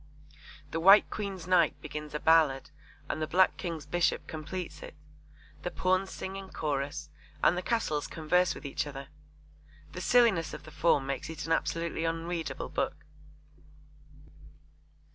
The White Queen's Knight begins a ballad and the Black King's Bishop completes it. The Pawns sing in chorus and the Castles converse with each other. The silliness of the form makes it an absolutely unreadable book.